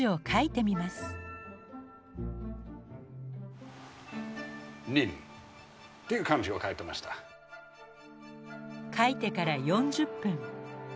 書いてから４０分。